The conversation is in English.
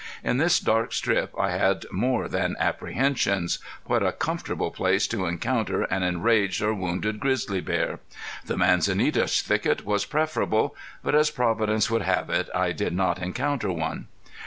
In this dark strip I had more than apprehensions. What a comfortable place to encounter an outraged or wounded grizzly bear! The manzanita thicket was preferable. But as Providence would have it I did not encounter one.